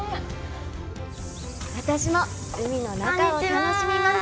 私も海の中を楽しみます！